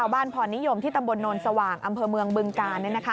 พรนิยมที่ตำบลโนนสว่างอำเภอเมืองบึงกาล